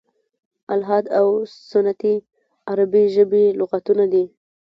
"الحاد او سنتي" عربي ژبي لغتونه دي.